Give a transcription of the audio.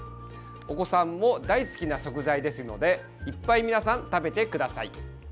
お子さんも大好きな食材ですのでいっぱい皆さん食べてください！